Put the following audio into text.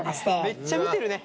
めっちゃ見てるね。